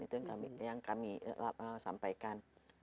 itu yang kami sampaikan